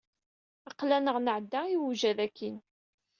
Aql-aneɣ nɛedda i uwjad akkin.